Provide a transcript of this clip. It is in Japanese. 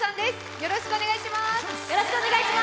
よろしくお願いします。